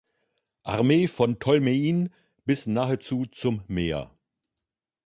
Armee von Tolmein bis nahezu zum Meer.